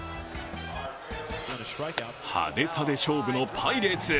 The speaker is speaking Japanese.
派手さで勝負のパイレーツ。